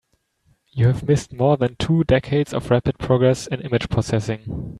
You have missed more than two decades of rapid progress in image processing.